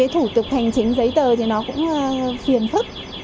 thủ tục hành chính giấy tờ thì nó cũng phiền phức